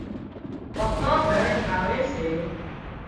پڪان گھر ٽاهوي سي